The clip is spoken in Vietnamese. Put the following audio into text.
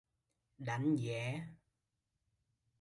Đánh giá